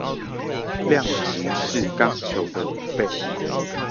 量值是鋼球的五倍